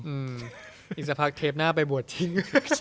อีกสักพักเทปหน้าไปบวชจริง